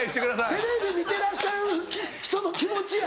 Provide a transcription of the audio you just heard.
テレビ見てらっしゃる人の気持ちや。